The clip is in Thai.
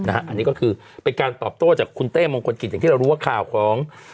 อันนี้ก็คือเป็นการตอบโต้จางคุณเต้มงคตกิจยังผิดว่าข่าวของ